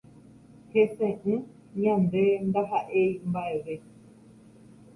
Heseʼỹ ñande ndahaʼéi mbaʼeve.